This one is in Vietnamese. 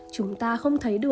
chúng ta không thấy được